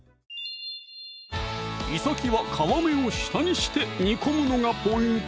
いさきは皮目を下にして煮込むのがポイント